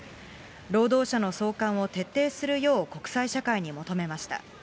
労働者の送還を徹底するよう国際社会に求めました。